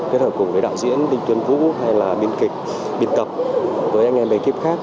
kết hợp cùng với đạo diễn đinh tuấn vũ hay là biên kịch biên tập với anh em ekip khác